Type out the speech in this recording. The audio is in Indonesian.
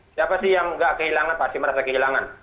siapa sih yang nggak kehilangan pasti merasa kehilangan